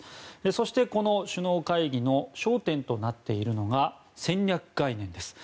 そして、この首脳会議の焦点となっているのが戦略概念です。